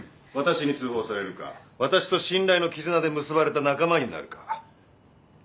私に通報されるか私と信頼の絆で結ばれた仲間になるか。